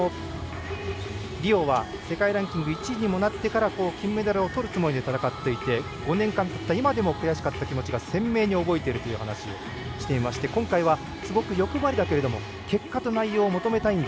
リオは、世界ランキング１位にもなってから金メダルをとるつもりでいって５年たった今でも悔しかった気持ちを鮮明に覚えていると話してまして今回はすごく欲張りだというのも結果と内容を求めたいんだ。